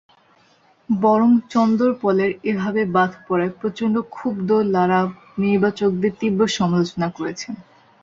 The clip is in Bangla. বরং চন্দরপলের এভাবে বাদ পড়ায় প্রচণ্ড ক্ষুব্ধ লারা নির্বাচকদের তীব্র সমালোচনা করেছেন।